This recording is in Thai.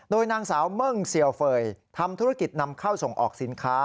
โดยนางสาวเมิ่งเซียวเฟย์ทำธุรกิจนำเข้าส่งออกสินค้า